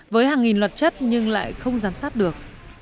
với hàng nghìn luật chất nhưng lại không giám sát được